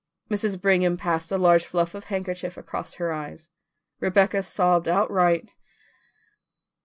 Mrs. Brigham passed a large fluff of handkerchief across her eyes; Rebecca sobbed outright.